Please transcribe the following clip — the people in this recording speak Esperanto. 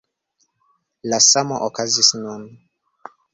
La samo okazis nun.